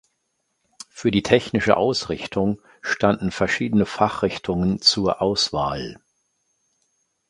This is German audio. Für die technische Ausrichtung standen verschiedene Fachrichtungen zur Auswahl.